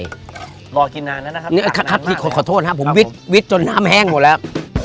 รอกินนานแล้วนะครับจักรน้ำมากเลยนะครับครับขอโทษครับผมวิดจนน้ำแห้งหมดแล้ว